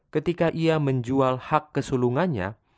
ketika ia menjual hak kesulungannya